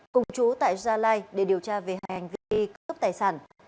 cùng chú tại gia lai để điều tra về hành vi cướp tài sản